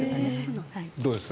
どうですか？